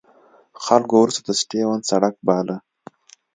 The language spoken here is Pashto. خلکو وروسته د سټیونز سړک باله.